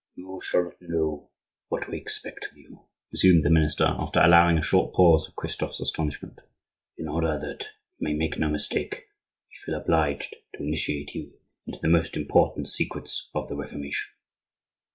"You shall now know what we expect of you," resumed the minister, after allowing a short pause for Christophe's astonishment. "In order that you may make no mistake, we feel obliged to initiate you into the most important secrets of the Reformation."